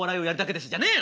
じゃねえよ！